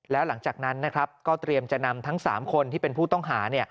แล้วหลังจากนั้นนะครับก็เตรียมจะนำทั้ง๓คนที่เป็นผู้ต้องหา